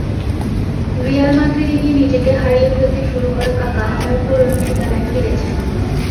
Real মাদ্রিদে গিয়ে নিজেকে হারিয়ে ফেলতে শুরু করা কাকা আবার পুরোনো ঠিকানায় ফিরেছেন।